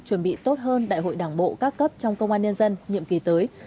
chuẩn bị tốt hơn đại hội đảng bộ các cấp trong công an nhân dân nhiệm kỳ tới